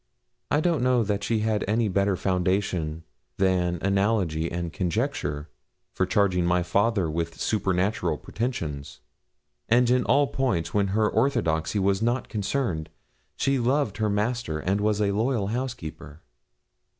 I don't know that she had any better foundation than analogy and conjecture for charging my father with supernatural pretensions; and in all points when her orthodoxy was not concerned, she loved her master and was a loyal housekeeper.